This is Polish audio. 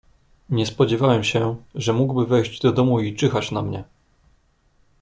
"Nie spodziewałem się, że mógłby wejść do domu i czyhać na mnie."